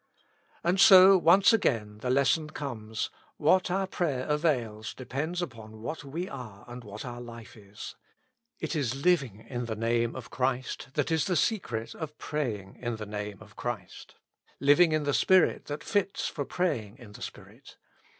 And so once again the lesson comes : What our prayer avails, depends upon what we are and what our hfe is. It is living in the Name of Christ that is the secret of praying in the Name of Christ ; living in the Spirit that fits for praying in the Spirit.